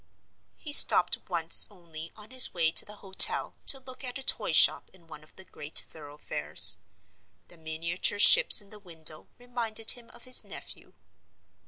He stopped once only on his way to the hotel to look at a toyshop in one of the great thoroughfares. The miniature ships in the window reminded him of his nephew.